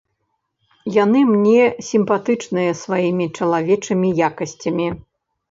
Яны мне сімпатычныя сваімі чалавечымі якасцямі.